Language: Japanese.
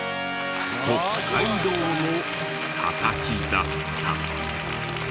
北海道の形だった。